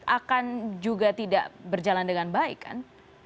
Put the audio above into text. akan juga tidak berjalan dengan baik kan